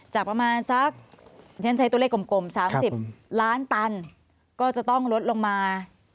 จากประมาณสักฉันใช้ตัวเลขกลม๓๐ล้านตันก็จะต้องลดลงมา